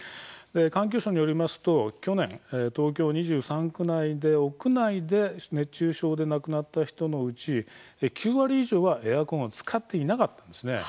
環境省によりますと去年、東京２３区内で屋内で熱中症で亡くなった人のうち９割以上はエアコンを使っていなかったんです。